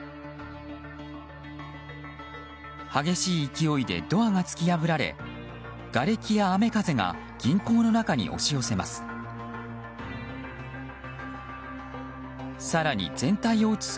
激しい勢いでドアが突き破られがれきや雨風が銀行の中に押し寄せます。